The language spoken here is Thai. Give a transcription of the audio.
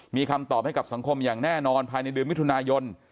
มีคำตอบให้กับสังคมอย่างแน่นอนภายในเดือนมิถุนายน